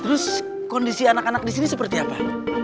terus kondisi anak anak di sini seperti apa